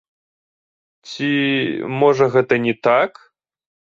Ці, можа, гэта не так?